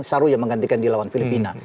syahrul yang menggantikan dia lawan filipina